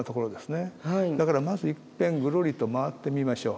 だからまずいっぺんぐるりと回ってみましょう。